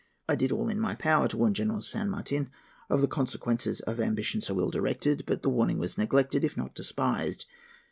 I did all in my power to warn General San Martin of the consequences of ambition so ill directed, but the warning was neglected, if not despised.